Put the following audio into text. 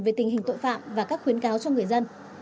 về tình hình tội phạm và các khuyến cáo cho người dân